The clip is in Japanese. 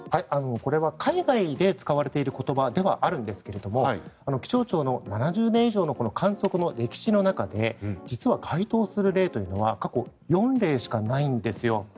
これは海外で使われている言葉ではあるんですが気象庁の７０年以上の観測の歴史の中で実は該当する例というのは過去４例しかないんですよ。